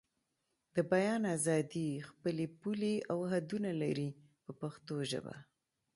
د بیان ازادي خپلې پولې او حدونه لري په پښتو ژبه.